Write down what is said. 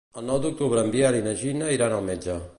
El nou d'octubre en Biel i na Gina iran al metge.